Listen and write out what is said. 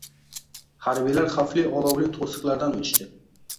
Harbiylar xavfli olovli to‘siqlardan o‘tishdi